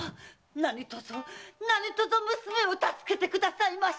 何とぞ何とぞ娘を助けてくださいまし！